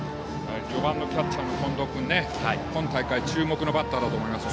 ４番のキャッチャー近藤君は今大会注目のバッターだと思います。